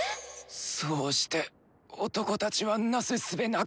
そうして男たちはなすすべなく。